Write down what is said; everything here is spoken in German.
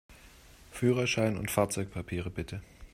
Führerschein und Fahrzeugpapiere, bitte!